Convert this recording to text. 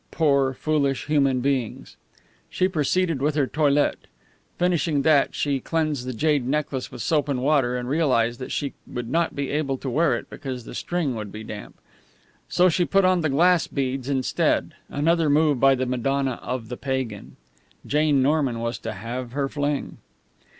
Poor, foolish human beings! She proceeded with her toilet. Finishing that, she cleansed the jade necklace with soap and water, then realized that she would not be able to wear it, because the string would be damp. So she put on the glass beads instead another move by the Madonna of the Pagan. Jane Norman was to have her fling.